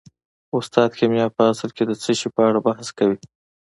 استاده کیمیا په اصل کې د څه شي په اړه بحث کوي